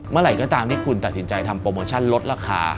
เมื่อไหร่ก็ตามที่คุณตัดสินใจทำโปรโมชั่นลดราคา